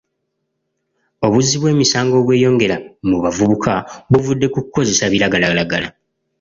Obuzzi bw'emisango obweyongera mu bavubuka buvudde ku kukozesa biragalalagala.